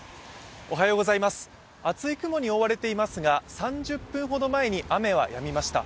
厚い雲に覆われていますが、３０分ほど前に雨はやみました。